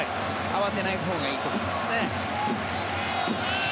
慌てないほうがいいと思います。